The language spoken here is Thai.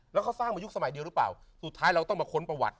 แล้วเขาสร้างมายุคสมัยเดียวหรือเปล่าสุดท้ายเราต้องมาค้นประวัติ